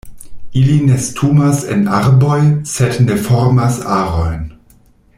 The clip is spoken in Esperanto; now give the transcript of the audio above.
Ili nestumas en arboj, sed ne formas arojn.